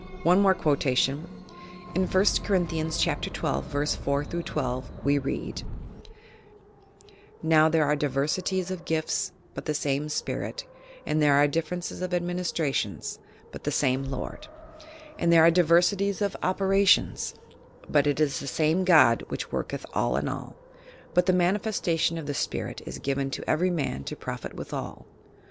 ... One more qno 280 YOUR PSYCHIC POWERS tation; In Ist. Corinthians, Chap, 12, v. 4 12, we read: "Now there are diversities of gifts, but the same spirit, and there are differences of administrations, but the same Lord, and there are diversities of operations, but it is the same God which worlieth all in all, but the manifestation of the spirit is given to every man to profit with all.